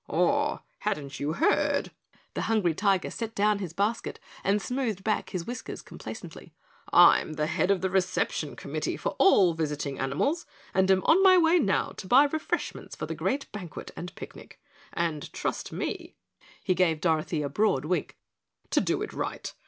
"Oh, hadn't you heard?" The Hungry Tiger set down his basket and smoothed back his whiskers complacently. "I'm the head of the reception committee for all visiting animals and am on my way now to buy refreshments for the great banquet and picnic. And trust me," he gave Dorothy a broad wink, "to do it right.